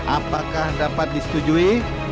apakah dapat disetujui